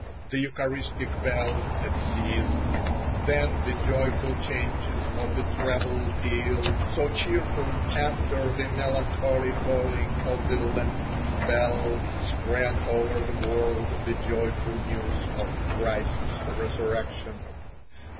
The Eucharistic bell had ceased. Then the joyful changes of the treble peal, so cheerful after the melancholy tolling of the Lenten bells, spread over the world the joyful news of Christ's resurrection.